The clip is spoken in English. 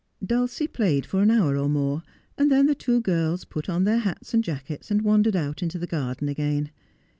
Dulcie played for an hour or more, and then the two girls put on their hats and jackets, and wandered out into the garden again.